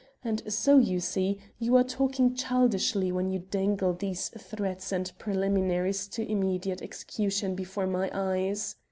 And so, you see, you are talking childishly when you dangle these threats and preliminaries to immediate execution before my eyes.